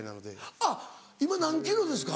あっ今何ｋｇですか？